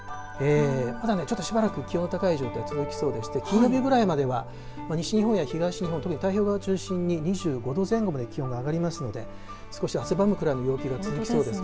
まだちょっとね、しばらく気温が高い状態続きそうでして金曜日ぐらいまでは西日本や東日本、特に太平洋側を中心に２５度前後まで気温が上がりますので少し汗ばむぐらいの陽気が続きそうです。